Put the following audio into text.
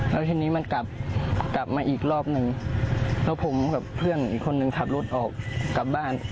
แล้วทีนี้มันกลับกลับมาอีกรอบหนึ่งแล้วผมกับเพื่อนอีกคนนึงขับรถออกกลับบ้าน